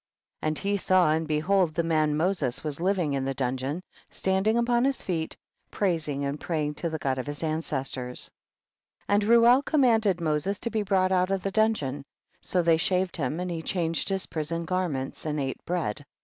And he saw, and behold the man Moses was living in the dun geon, standing upon his feet, praising and praying to the God of his ances tors. 37. And Reuel commanded Mo ses to be brought out of the dungeon, so they shaved him and he changed his prison garments and ate bread. 38.